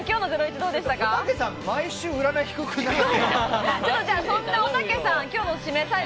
おたけさん、毎週占い低くないですか？